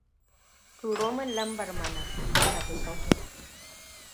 Turo min lambar mana don na bi sahu.